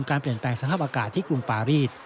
การเปลี่ยนแปลงสภาพอากาศที่กรุงปารีส